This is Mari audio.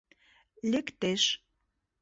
— Лектеш...